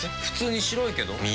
普通に白いけど。